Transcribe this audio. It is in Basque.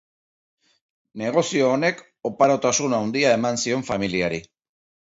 Negozio honek oparotasun handia eman zion familiari.